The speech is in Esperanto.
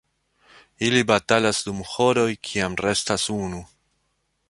Ili batalas dum horoj, kiam restas unu.